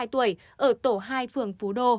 sáu mươi hai tuổi ở tổ hai phường phú đô